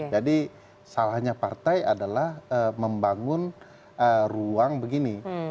jadi salahnya partai adalah membangun ruang begini